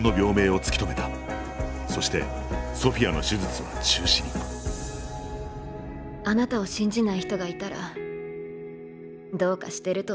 そしてソフィアの手術は中止にあなたを信じない人がいたらどうかしてると思う。